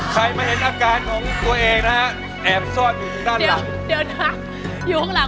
ใครไม่เห็นอาการของตัวเองนะแอบซ่อนอยู่ด้านหลัง